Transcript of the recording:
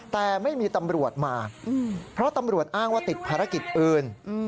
แต่ไม่มีตำรวจมาเพราะตำรวจอ้างว่าติดภารกิจอื่น